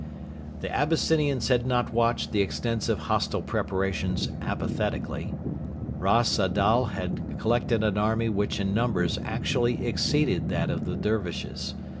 The Abyssinians had not watched the extensive hostile preparations apathetically. Ras Adal had collected an army which in numbers actually exceeded that of the Dervishes.